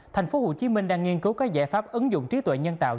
thành phố hồ chí minh đang nghiên cứu các giải pháp ứng dụng trí tuệ nhân tạo